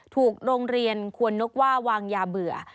ถูกโรงเรียนควรนกว่าวางยาเบื่อ